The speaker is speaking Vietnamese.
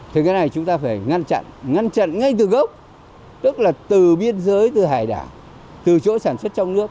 thì cái này chúng ta phải ngăn chặn ngăn chặn ngay từ gốc tức là từ biên giới từ hải đảo từ chỗ sản xuất trong nước